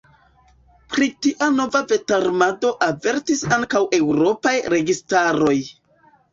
Pri tia nova vetarmado avertis ankaŭ eŭropaj registaroj.